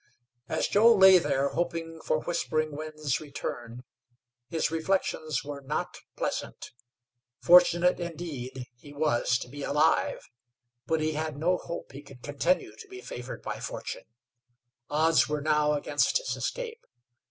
As Joe lay there hoping for Whispering Winds' return, his reflections were not pleasant. Fortunate, indeed, he was to be alive; but he had no hope he could continue to be favored by fortune. Odds were now against his escape.